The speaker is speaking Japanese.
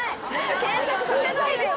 検索させないでよ